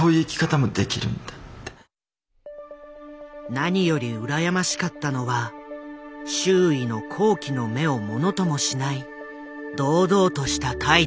何より羨ましかったのは周囲の好奇の目をものともしない堂々とした態度。